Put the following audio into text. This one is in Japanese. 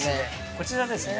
こちらですね